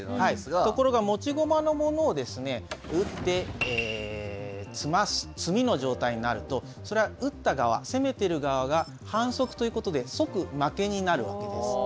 ところが持ち駒のものをですね打って詰ます詰みの状態になるとそれは打った側攻めてる側が反則ということで即負けになるわけです。